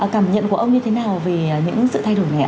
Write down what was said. cảm nhận của ông như thế nào về những sự thay đổi này ạ